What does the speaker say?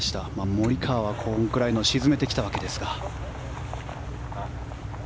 モリカワはこのくらいのを沈めてきたわけですが。